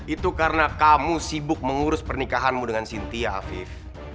itu karena kamu sibuk mengurus pernikahanmu dengan cynthia afif